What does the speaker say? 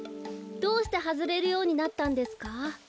どうしてはずれるようになったんですか？